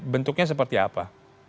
bentuknya seperti apa